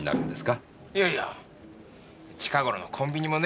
いやいや近頃のコンビニもね